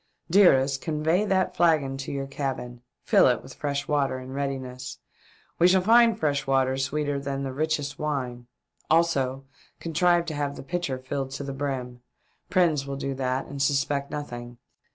Dearest, convey that flagon to your cabin. Fill it with fresh water in readiness. We shall find fresh water sweeter than the richest wine. Also contrive to have the pitcher filled to the brim. Prins will do that and suspect nothing.